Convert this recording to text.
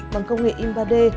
bằng công nghệ in ba d